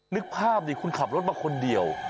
นึกภาพดิคุณขับรถมาคนเดียว